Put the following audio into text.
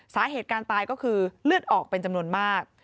สาเหตุการตายก็คือเลือดออกเป็นจำนวนมาก